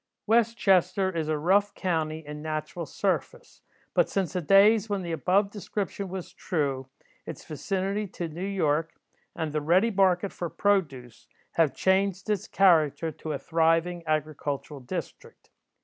'" West Chester is a rough county in natural surface, but since the days when the above description was true, its vicinity to New York, and the ready market for produce, have changed its character to a thriving agricultural district.